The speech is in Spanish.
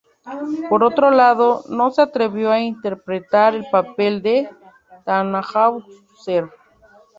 Por otro lado, no se atrevió a interpretar el papel de Tannhäuser.